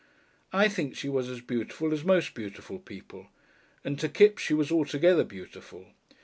I think she was as beautiful as most beautiful people, and to Kipps she was altogether beautiful.